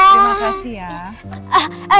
terima kasih ya